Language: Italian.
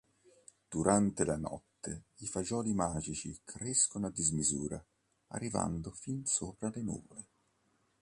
Durante la notte, i fagioli magici crescono a dismisura, arrivando fin sopra le nuvole.